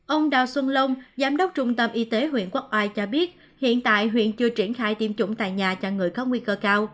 ông đào xuân lông giám đốc trung tâm y tế huyện quốc oai cho biết hiện tại huyện chưa triển khai tiêm chủng tại nhà cho người có nguy cơ cao